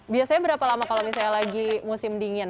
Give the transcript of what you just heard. biasanya berapa lama kalau misalnya lagi musim dingin